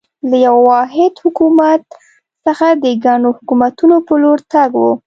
له یوه واحد حکومت څخه د ګڼو حکومتونو په لور تګ و.